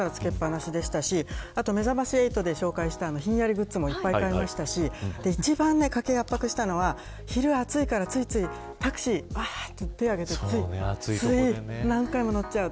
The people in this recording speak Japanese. ７月から付けっぱなしでしたしせめざまし８で紹介したひんやりグッズもいっぱい買いましたし一番家計を圧迫したのは昼が暑いから、ついついタクシーに何回も乗っちゃう。